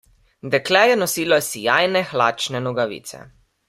Dekle je nosilo sijajne hlačne nogavice.